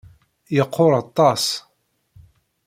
Yeqqur aṭas.